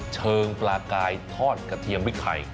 เชิงปลากายทอดกระเทียมพริกไทย